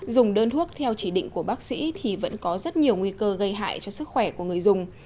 dùng đơn thuốc theo chỉ định của bác sĩ thì vẫn có rất nhiều nguy cơ gây hại cho sức khỏe của người dùng